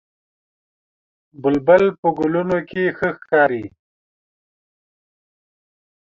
بلبل په ګلونو کې ښه ښکاري